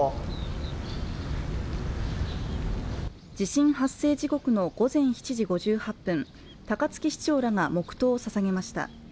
地震発生時刻の午前７時５８分高槻市長らが黙とうをささげました。